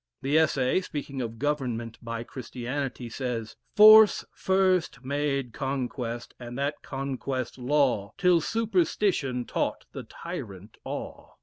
The Essay, speaking of Government by Christianity, says: "Force first made conquest, and that conquest law, Till superstition taught the tyrant awe.